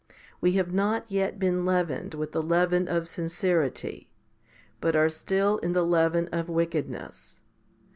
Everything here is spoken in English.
3 We have not yet been leavened with the leaven of sincerity, 4 but are still in the leaven of wickedness.